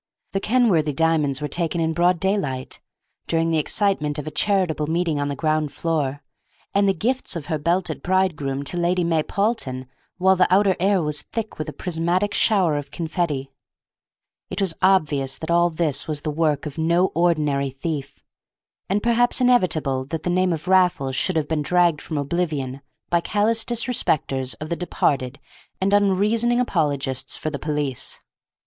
The Kenworthy diamonds were taken in broad daylight, during the excitement of a charitable meeting on the ground floor, and the gifts of her belted bridegroom to Lady May Paulton while the outer air was thick with a prismatic shower of confetti. It was obvious that all this was the work of no ordinary thief, and perhaps inevitable that the name of Raffles should have been dragged from oblivion by callous disrespecters of the departed and unreasoning apologists for the police.